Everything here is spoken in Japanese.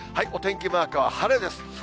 お天気マークは晴れです。